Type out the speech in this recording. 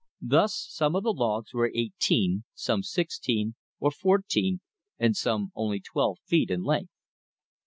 Thus some of the logs were eighteen, some sixteen, or fourteen, and some only twelve feet in length.